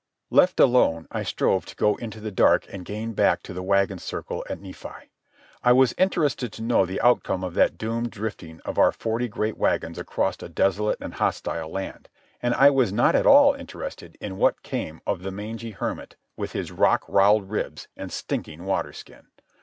Left alone, I strove to go into the dark and gain back to the wagon circle at Nephi. I was interested to know the outcome of that doomed drifting of our forty great wagons across a desolate and hostile land, and I was not at all interested in what came of the mangy hermit with his rock roweled ribs and stinking water skin.